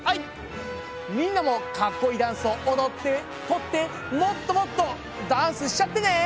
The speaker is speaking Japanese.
みんなもかっこいいダンスを踊って撮ってもっともっとダンスしちゃってね！